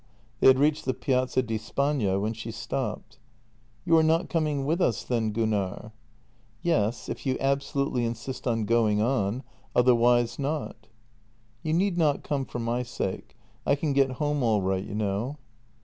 They had reached the Piazza di Spagna when she stopped: " You are not coming with us, then, Gunnar? "" Yes, if you absolutely insist on going on — otherwise not." " You need not come for my sake. I can get home all right, you know."